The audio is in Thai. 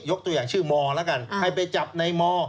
ตัวอย่างชื่อมแล้วกันให้ไปจับในม